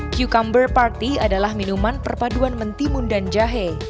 cucumber party adalah minuman perpaduan mentimun dan jahe